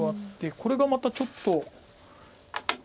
これがまたちょっと。